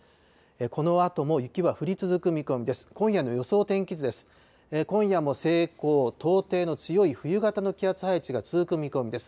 このあとも雪は降り続く見込みです。